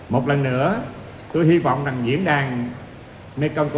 một lần nữa tôi hy vọng là diễn đàn mekong connect